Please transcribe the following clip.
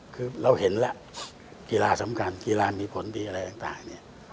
คือเราเห็นแล้วกีฬาสำคัญกีฬามีผลดีอะไรต่างเนี่ย